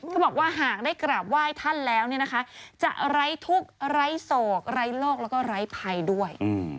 ก็บอกว่าหากได้กราบว่ายท่านแล้วจะไร้ทุกข์ไร้โสกไร้โรคแล้วก็ไร้ภัยด้วย